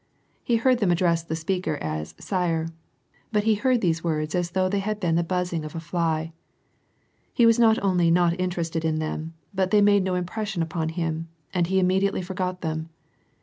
He heard them address the s as '^ sire." But he heard these words as though they had the buzzing of a fly. He was not only not interested in the but they made no impression upon him, and he immediatel; forgot them.